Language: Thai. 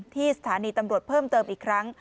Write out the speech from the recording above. ที่สถานีตำรวจเพิ่มเติมอีกครั้ง